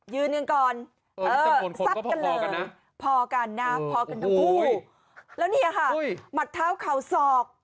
ยืนกันก่อนเออซัดกันเลยพอกันนะพอกันทั้งคู่แล้วเนี่ยค่ะหมัดเท้าเข่าศอก